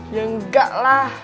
ya enggak lah